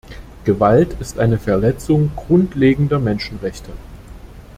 Gewalt ist eine Verletzung grundlegender Menschenrechte.